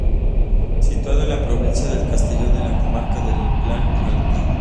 Situado en la provincia de Castellón, en la comarca de la Plana Alta.